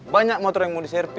banyak motor yang mau diserti